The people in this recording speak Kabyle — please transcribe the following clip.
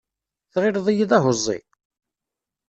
Tɣilleḍ-iyi d ahuẓẓi?